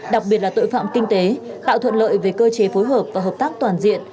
đặc biệt là tội phạm kinh tế tạo thuận lợi về cơ chế phối hợp và hợp tác toàn diện